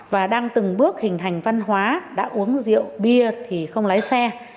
và đang từng bước hình hành văn hóa đã uống rượu bia thì không lái xe